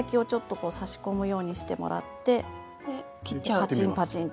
パチンパチンと。